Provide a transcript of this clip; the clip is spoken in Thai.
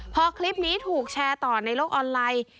พอคลิปนี้ถูกแชร์ต่อในโลกออนไลน์